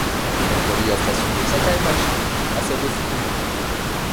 Elle relie la station de Sakaemachi à celle de Fukuzumi.